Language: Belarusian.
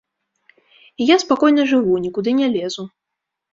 І я спакойна жыву, нікуды не лезу.